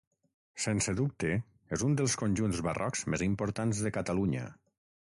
Sense dubte és un dels conjunts barrocs més importants de Catalunya.